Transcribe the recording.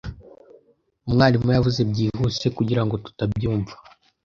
Umwarimu yavuze byihuse kugirango tutabyumva.